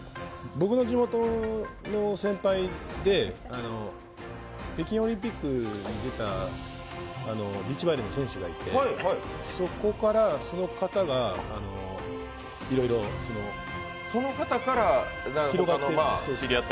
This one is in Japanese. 僕の地元の先輩で北京オリンピックに出たビーチバレーの選手がいて、そこからその方がいろいろ広がって。